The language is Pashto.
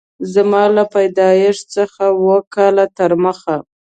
زما له پیدایښت څخه اووه کاله تر مخه